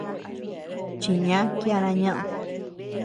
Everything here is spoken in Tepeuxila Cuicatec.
Chiñá kiana ñeʼed.